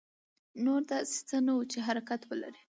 نور داسې څه نه وو چې حرکت ولري.